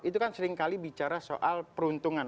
itu kan seringkali bicara soal peruntungan